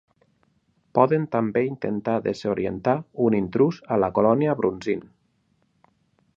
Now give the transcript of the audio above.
Poden també intentar desorientar un intrús a la colònia brunzint.